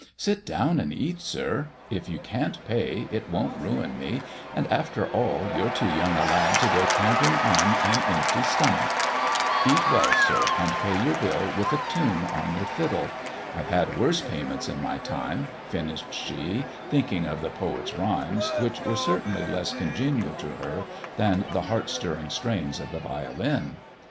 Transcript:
" Sit down and eat, sir. If you can't pay, it won't ruin me ; and, after all, you're too young a lad to go tramping on an empty stomach. Eat well, sir, and pay your bill 14 THE dwarf's chamber with a tune on your fiddle. I've had worse payments i my time/' finished she, thinking of the poet's rhyme which were certainly less congenial to her than the hear stirring strains of the violin.